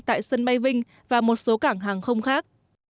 tại sân bay vinh và một số cảng hàng không khác